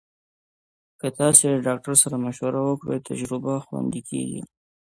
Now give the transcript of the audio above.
که تاسو د ډاکټر سره مشوره وکړئ، تجربه خوندي کېږي.